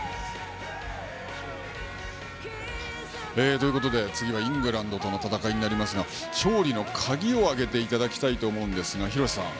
ということで、次はイングランドとの戦いになりますが、勝利の鍵を挙げていただきたいと思うんですが、廣瀬さん。